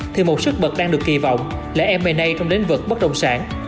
thì một sức mật đang được kỳ vọng là m a trong lĩnh vực bất đồng sản